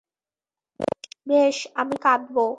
বেশ আমি কাঁদব।